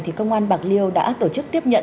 thì công an bạc liêu đã tổ chức tiếp nhận